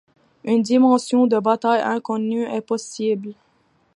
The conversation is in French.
Une dimension de bataille inconnue est possible.